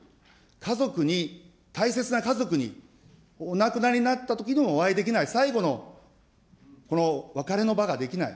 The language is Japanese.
家族に大切な家族にお亡くなりになったときにもお会いできない、最後のこの、別れの場ができない。